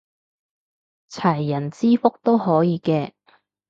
齊人之福都可以嘅